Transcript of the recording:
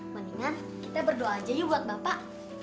mendingan kita berdoa aja yuk buat bapak